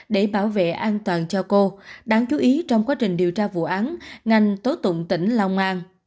để bảo vệ an toàn cho cô đáng chú ý trong quá trình điều tra vụ án ngành tố tụng tỉnh long an